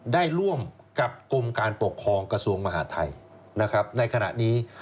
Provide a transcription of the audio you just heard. ได้ร่วมกับกรมการปกครองกระทรวงมหาทัยนะครับในขณะนี้